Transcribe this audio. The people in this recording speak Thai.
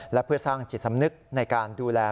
และเพื่อสร้างจิตสำนึกในการดูแล